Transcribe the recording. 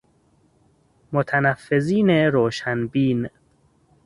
متنفذین روشن بین